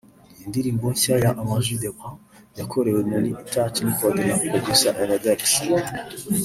Iyi ndirimbo nshya ya Ama G The Black yakorewe muri Touch Record na Producer Evidecks